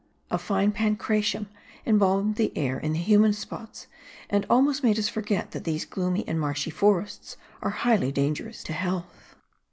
A fine Pancratium embalmed the air in the humid spots, and almost made us forget that those gloomy and marshy forests are highly dangerous to health.